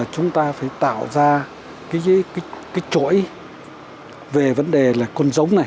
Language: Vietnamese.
chúng ta phải tạo ra cái chuỗi về vấn đề là con giống này